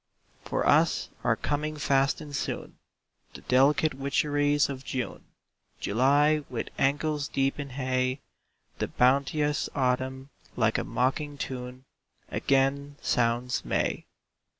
For us are coming fast and soon The delicate witcheries of June; July, with ankles deep in hay; The bounteous Autumn. Like a mocking tune Again sounds, "May."